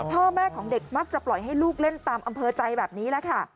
พ่อแม่ของเด็กมักจะปล่อยให้ลูกเล่นตามอำเภอใจแบบนี้แหละค่ะ